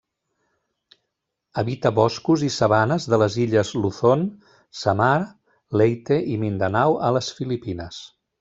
Habita boscos i sabanes de les illes Luzon, Samar, Leyte i Mindanao, a les Filipines.